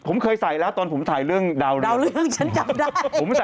ผมเคยใส่แล้วตอนผมใส่ดาวลื่น